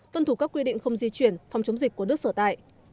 tuân thủ các quy định không di chuyển phòng chống dịch của nước sở tại